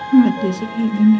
ngeliat jessy kayak gini